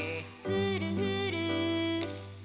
ふるふる。